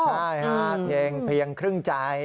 ใช่ค่ะเพียงครึ่งใจ